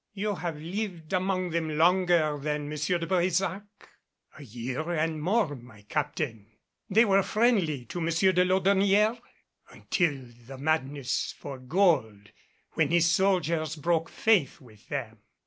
"You have lived among them longer than M. de Brésac?" "A year and more, my Captain." "They were friendly to M. de Laudonnière?" "Until the madness for gold, when his soldiers broke faith with them."